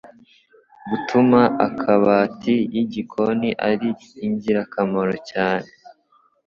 gutuma akabati yigikoni ari ingirakamaro cyane